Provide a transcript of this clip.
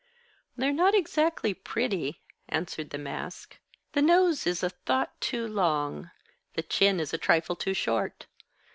"They're not exactly pretty," answered the mask. "The nose is a thought too long, the chin is a trifle too short.